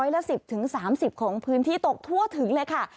ละ๑๐๓๐ของพื้นที่ตกทั่วถึงเลยค่ะ